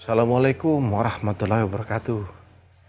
assalamualaikum warahmatullah wabarakatuh